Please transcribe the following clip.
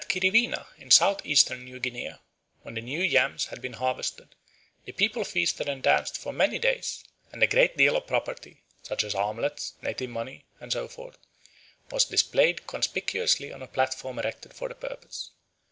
At Kiriwina, in South Eastern New Guinea, when the new yams had been harvested, the people feasted and danced for many days, and a great deal of property, such as armlets, native money, and so forth, was displayed conspicuously on a platform erected for the purpose.